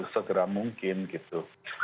segera mungkin gitu